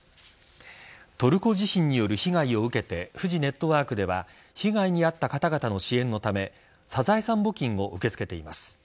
トルコ地震による被害を受けてフジネットワークでは被害に遭った方々の支援のためサザエさん募金を受け付けています。